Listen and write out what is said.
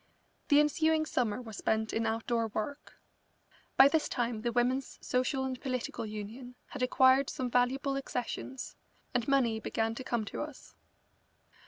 The ensuing summer was spent in outdoor work. By this time the Women's Social and Political Union had acquired some valuable accessions, and money began to come to us.